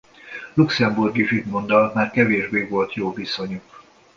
Luxemburgi Zsigmonddal már kevésbé volt jó a viszonyuk.